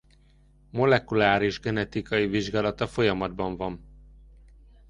Molekuláris genetikai vizsgálata folyamatban van.